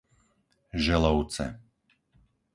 Želovce